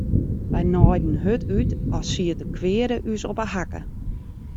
Wy naaiden hurd út as siet de kweade ús op 'e hakke.